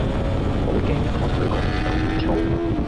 好驚一同佢講野就會燥